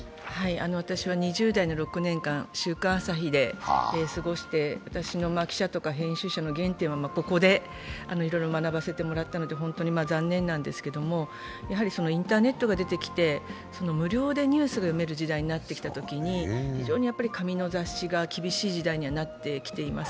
私は２０代の６年間、「週刊朝日」で過ごして、私の記者とか編集者の原点はここでいろいろ学ばせてもらったので、本当に残念なんですけれど、インターネットが出てきて無料でニュースが読める時代になってきたときに非常に紙の雑誌が厳しい時代にはなってきています。